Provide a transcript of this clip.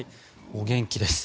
お元気です。